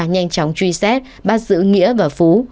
nhanh chóng truy xét bắt giữ nghĩa và phú